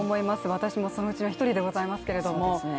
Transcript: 私もそのうちの一人でございますけれども。